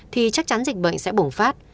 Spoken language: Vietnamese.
thì chắc chắn dịch bệnh sẽ bổng phát